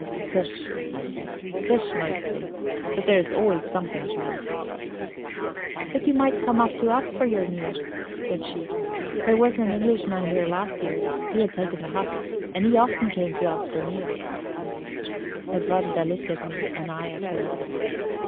"Fish," I said. "Fish mostly. But there's always something to eat." "But you might come up to us for your meals," she said. "There was an Englishman here last year he had taken the hut and he often came to us for meals." Edwarda looked at me and I at her.